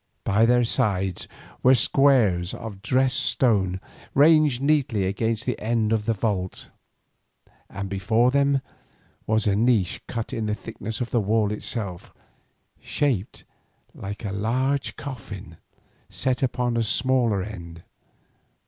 By their sides were squares of dressed stone ranged neatly against the end of the vault, and before them was a niche cut in the thickness of the wall itself, shaped like a large coffin set upon its smaller end.